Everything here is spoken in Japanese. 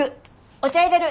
お茶いれる。